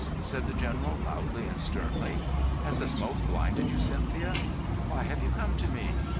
said the General, loudly and sternly. "Has the smoke blinded you, Cynthia? Why have you come to me?